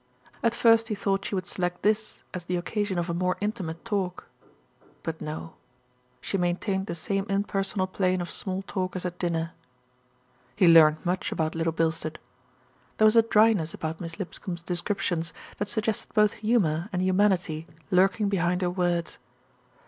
At first he thought she would select this as the occasion of a more intimate talk; but no she main tained the same impersonal plane of small talk as at dinner. He learned much about Little Bilstead. There was a dryness about Miss Lipscombe's descriptions that suggested both humour and humanity lurking behind her words.